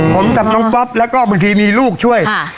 ผมกับน้องป๊อปแล้วก็บางทีมีลูกช่วย